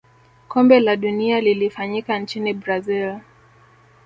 kombe la dunia lilifanyika nchini brazil